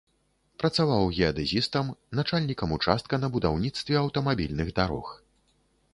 Працаваў геадэзістам, начальнікам участка на будаўніцтве аўтамабільных дарог.